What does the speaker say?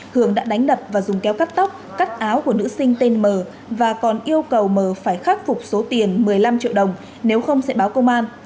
cường đã đánh đập và dùng kéo cắt tóc cắt áo của nữ sinh tên m và còn yêu cầu m phải khắc phục số tiền một mươi năm triệu đồng nếu không sẽ báo công an